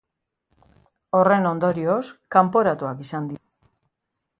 Horren ondorioz, kanporatuak izan dira.